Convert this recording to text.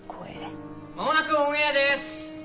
間もなくオンエアです！